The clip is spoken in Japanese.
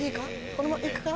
このまま行くか？